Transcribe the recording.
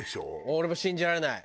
俺も信じられない。